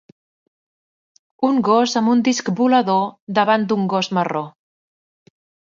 Un gos amb un disc volador davant d'un gos marró.